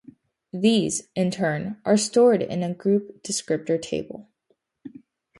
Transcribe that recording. These, in turn, are stored in a group descriptor table.